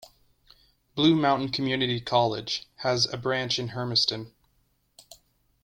Blue Mountain Community College has a branch in Hermiston.